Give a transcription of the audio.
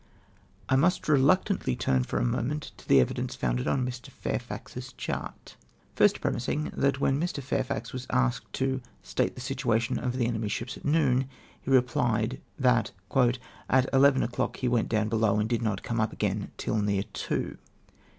I must reluctantly turn for a moment to the evidence founded on Mr. Fairfax's chart (D). First premising, that when Mr. Fairfax was asked to " state the situ ation of the enemy's ships at noon," he rephed, that " at eleven o'clock he went down below, and did not come up again till near two."